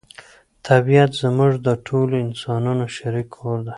طبیعت زموږ د ټولو انسانانو شریک کور دی.